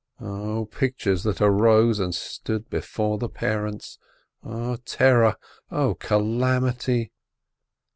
0 pictures that arose and stood before the parents! 0 terror, 0 calamity!